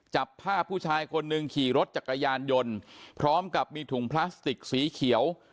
จับภาพผู้ชายคนหนึ่งขี่รถจักรยานยนต์พร้อมกับมีถุงพลาสติกสีเขียว